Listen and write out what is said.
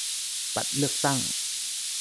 บัตรเลือกตั้ง